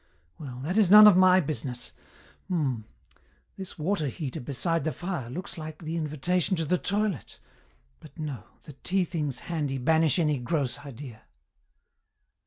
Well, that is none of my business. Hmmm. This water heater beside the fire looks like the invitation to the toilet, but no, the tea things handy banish any gross idea."